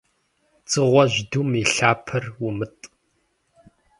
Дзыгъуэжь, дум и лъапэр умытӀ.